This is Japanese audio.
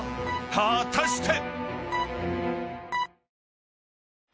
［果たして⁉］